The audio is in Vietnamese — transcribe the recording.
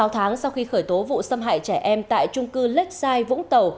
sáu tháng sau khi khởi tố vụ xâm hại trẻ em tại trung cư lexi vũng tàu